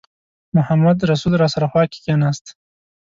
محمدرسول راسره خوا کې کېناست.